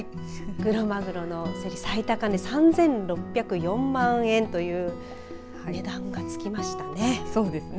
クロマグロの最高値３６０４万円という値段がつきましたね。